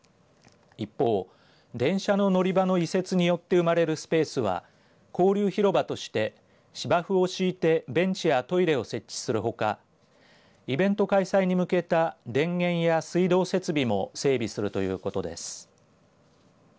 一方、電車の乗り場の移設によって生まれるスペースは交流広場として芝生を敷いてベンチやトイレを設置するほかイベント開催に向けた電源や水道設備も整備するということです。